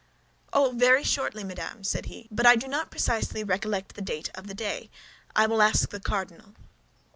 "Oh, very shortly, madame," said he; "but I do not precisely recollect the date of the day. I will ask the cardinal."